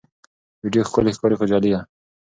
ویډیو ښکلي ښکاري خو جعلي ده.